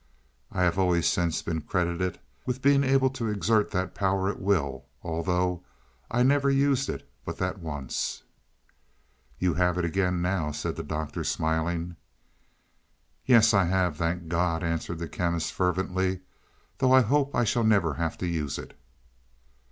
I have always since been credited with being able to exert that power at will, although I never used it but that once." "You have it again now," said the Doctor smiling. "Yes, I have, thank God," answered the Chemist fervently, "though I hope I never shall have to use it."